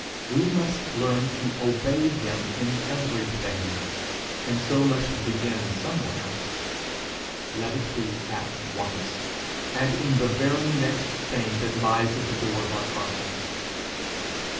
We must learn to obey him in everything, and so must begin somewhere: let it be at once, and in the very next thing that lies at the door of our conscience!